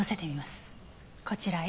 こちらへ。